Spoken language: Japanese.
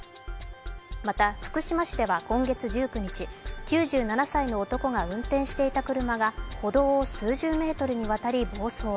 また、福島市では今月１９日、９７歳の男が運転していた車が歩道を数十メートルにわたり暴走。